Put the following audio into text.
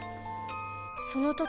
その時